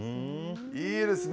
いいですね。